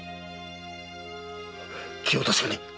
気を確かに！